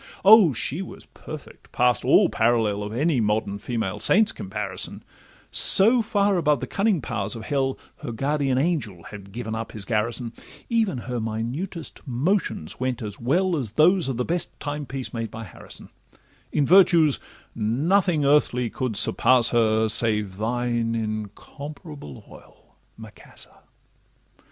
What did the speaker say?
O! she was perfect past all parallel— Of any modern female saint's comparison; So far above the cunning powers of hell, Her guardian angel had given up his garrison; Even her minutest motions went as well As those of the best time piece made by Harrison: In virtues nothing earthly could surpass her, Save thine 'incomparable oil,' Macassar!